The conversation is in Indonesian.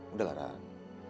udah lah ran